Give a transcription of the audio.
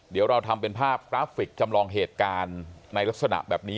เดี๋ยวเราทำเป็นภาพกราฟิกจำลองเหตุการณ์ในลักษณะแบบนี้